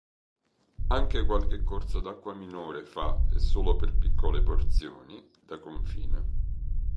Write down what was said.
Anche qualche corso d'acqua minore fa, e solo per piccole porzioni, da confine.